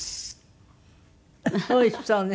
おいしそうね